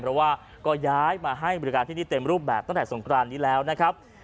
เพราะว่าก็ย้ายมาให้บริการที่นี่เต็มรูปแบบตั้งแต่สงครานนี้แล้วนะครับ